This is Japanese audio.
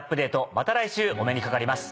また来週お目にかかります。